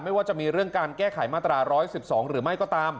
ว่าจะมีเรื่องการแก้ไขมาตรา๑๑๒หรือไม่ก็ตาม